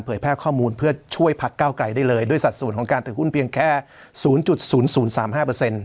เผยแพร่ข้อมูลเพื่อช่วยผลักเก้าไกลได้เลยด้วยสัดส่วนของการถือหุ้นเพียงแค่ศูนย์จุดศูนย์ศูนย์สามห้าเปอร์เซ็นต์